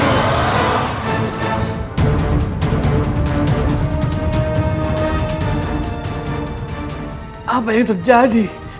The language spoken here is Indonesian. kenapa aku tidak bisa bicara dan tidak bisa berkerak